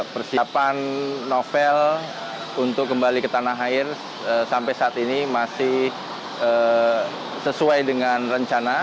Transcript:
persiapan novel untuk kembali ke tanah air sampai saat ini masih sesuai dengan rencana